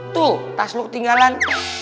tuh tas lo ketinggalan